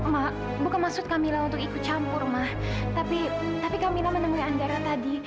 mak buka masuk kamilah untuk ikut campur mah tapi tapi kamilah menemui andara tadi